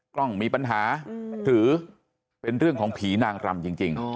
กล้องมีปัญหาถือเป็นเรื่องของผีนางรำจริง